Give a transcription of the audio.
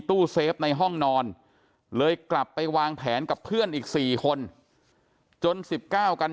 ตู้เซฟในห้องนอนเลยกลับไปวางแผนกับเพื่อนอีก๔คนจน๑๙กัน